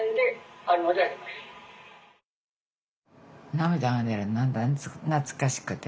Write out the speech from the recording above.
涙が出る懐かしくて。